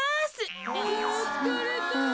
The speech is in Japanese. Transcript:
あつかれた。